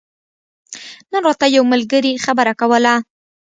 نن راته يو ملګري خبره کوله